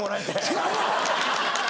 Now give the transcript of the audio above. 違うわ！